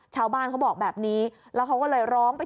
ชาวบ้านเขาบอกแบบนี้แล้วเขาก็เลยร้องไป